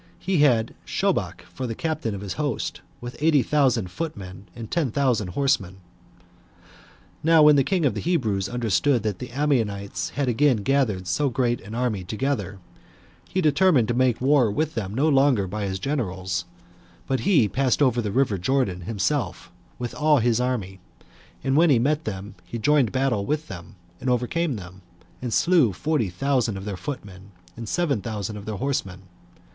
He had Shobach for the captain of his host, with eighty thousand footmen, and ten thousand horsemen. Now when the king of the Hebrews understood that the Ammonites had again gathered so great an army together, he determined to make war with them no longer by his generals, but he passed over the river Jordan himself with all his army; and when he met them he joined battle with them, and overcame them, and slew forty thousand of their footmen, and seven thousand of their horsemen.